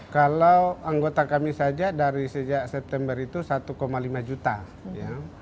kalau anggota kami saja dari sejak september itu satu lima juta ya